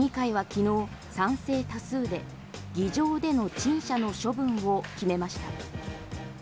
市議会は昨日、賛成多数で議場での陳謝の処分を決めました。